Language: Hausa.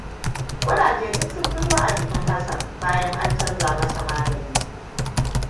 Ƙraje dun sun fito a jikin Hassan, bayan an canza masa magani.